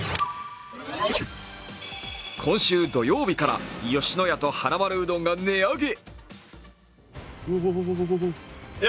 今週土曜日から吉野家とはなまるうどんが値上げ。